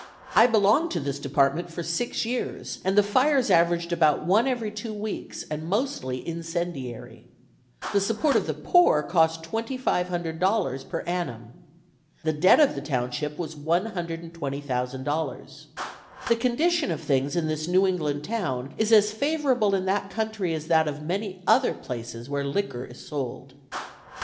I belonged to this department for six years, and the fires averaged about one every two weeks, and mostly incendiary. The support of the poor cost $2,500.00 per annum. The debt of the township was $120,000.00. The condition of things in this New England town is as favorable in that country as that of many other places where liquor is sold.